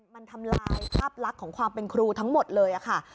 มันทำลายภาพลักษณ์ของความเป็นครูทั้งหมดเลยค่ะ